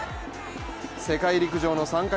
世界陸上の参加